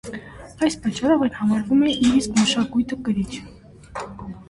Այս պատճառով այն համարվում է իր իսկ մշակույթը կրիչ։